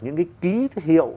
những cái ký hiệu